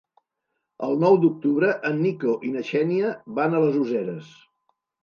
El nou d'octubre en Nico i na Xènia van a les Useres.